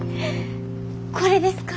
これですか？